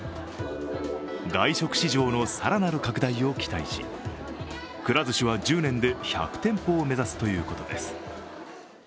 外食市場の更なる拡大を期待しくら寿司は１０年で１００店舗を目指すということです。